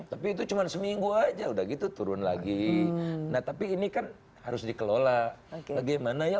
tapi itu cuma seminggu aja udah gitu turun lagi nah tapi ini kan harus dikelola bagaimana ya